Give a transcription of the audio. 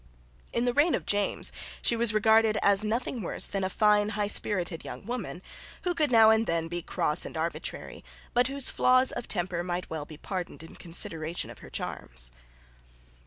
In the reign of James she was regarded as nothing worse than a fine highspirited young woman, who could now and then be cross and arbitrary, but whose flaws of temper might well be pardoned in consideration of her charms.